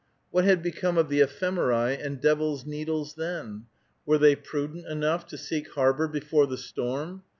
What had become of the ephemeræ and devil's needles then? Were they prudent enough to seek harbor before the storm?